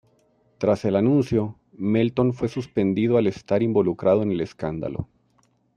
Tras el anuncio, Melton fue suspendido al estar involucrado en el escándalo.